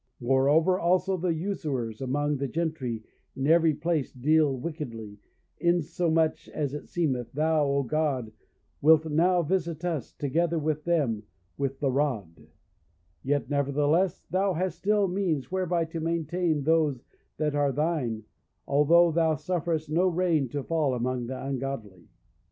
Moreover, also, the usurers among the gentry in every place deal wickedly, insomuch, as it seemeth, thou, O God, wilt now visit us, together with them, with the rod; yet, nevertheless, thou hast still means whereby to maintain those that are thine, although thou sufferest no rain to fall among the ungodly."